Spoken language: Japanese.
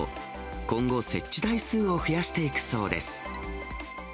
今後、設置台数を増やしていくそうです。